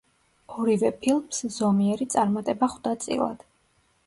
ორივე ფილმს ზომიერი წარმატება ხვდა წილად.